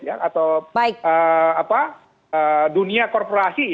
atau dunia korporasi